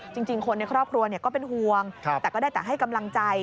จริงคนในครอบครัวก็เป็นห่วงแต่ก็ได้แต่ให้กำลังใจ